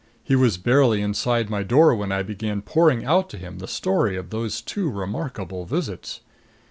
He was barely inside my door when I began pouring out to him the story of those two remarkable visits.